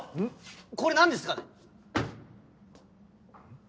これ何ですかね？